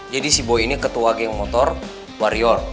jadi si boy ini ketua geng motor wario